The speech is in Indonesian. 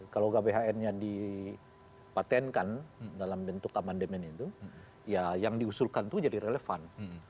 kalau gbhn nya dipatenkan dalam bentuk amandemen itu ya yang diusulkan itu jadi relevan